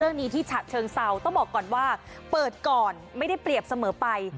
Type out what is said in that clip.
เรื่องนี้ที่ฉะเชิงเซาต้องบอกก่อนว่าเปิดก่อนไม่ได้เปรียบเสมอไป